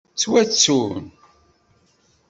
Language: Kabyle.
Ttwattun.